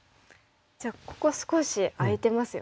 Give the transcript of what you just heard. じゃあここ少し空いてますよね